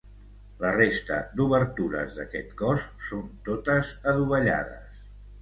La resta d'obertures d'aquest cos són totes adovellades.